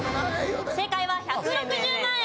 正解は１６０万円。